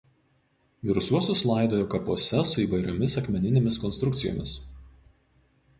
Mirusiuosius laidojo kapuose su įvairiomis akmeninėmis konstrukcijomis.